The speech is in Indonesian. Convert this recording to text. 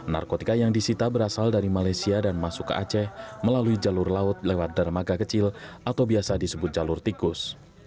narkotika yang disita berasal dari malaysia dan masuk ke aceh melalui jalur laut lewat darmaga kecil atau biasa disebut jalur tikus